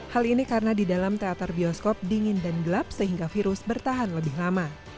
hal ini karena di dalam teater bioskop dingin dan gelap sehingga virus bertahan lebih lama